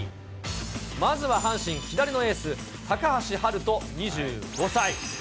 まずは阪神、左のエース、高橋遥人２５歳。